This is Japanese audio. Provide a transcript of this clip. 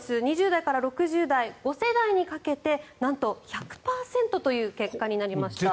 ２０代から６０代５世代にかけてなんと１００％という結果になりました。